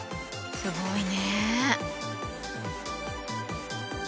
すごいね。